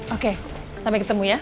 oke sampai ketemu ya